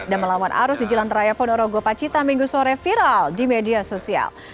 dan melawan arus di jalan teraya ponorogo pacitan minggu sore viral di media sosial